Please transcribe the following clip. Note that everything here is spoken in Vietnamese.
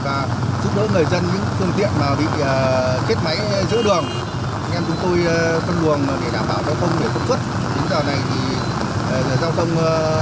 và giúp đỡ người dân những phương tiện bị kết máy giữ đường